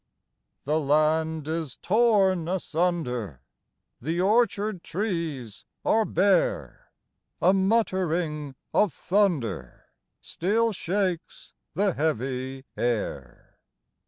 The land is torn asunder, The orchard trees are bare; A muttering of thunder Still shakes the heavy air.